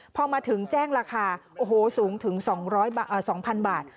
พอมาถึงแจ้งราคาโอ้โหสูงถึง๒๐๐๐บาท